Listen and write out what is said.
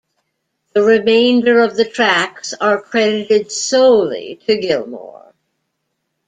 The remainder of the tracks are credited solely to Gilmour.